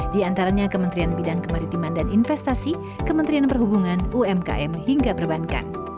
di antaranya kementerian bidang kemaritiman dan investasi kementerian perhubungan umkm hingga perbankan